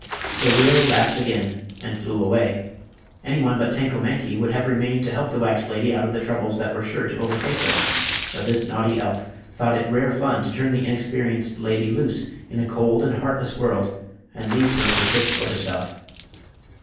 The ryl laughed again and flew away. Anyone but Tanko Mankie would have remained to help the wax lady out of the troubles that were sure to overtake her; but this naughty elf thought it rare fun to turn the inexperienced lady loose in a cold and heartless world and leave her to shift for herself.